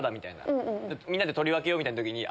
みんなで取り分けよう！みたいな時に。